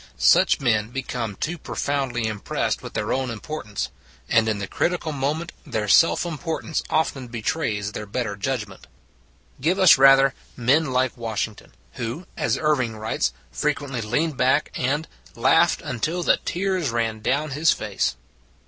Such men become too profoundly im pressed with their own importance. And in the critical moment their self importance often betrays their better judgment. Give us, rather, men like Washington, who, as Irving writes, frequently leaned back and " laughed until the tears ran down his face."